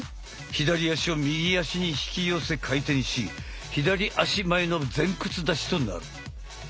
左足を右足に引き寄せ回転し左足前の前屈立ちとなる。